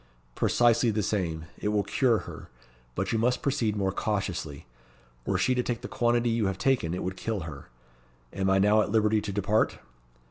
"Precisely the same. It will cure her. But you must proceed more cautiously. Were she to take the quantity you have taken, it would kill her. Am I now at liberty to depart?"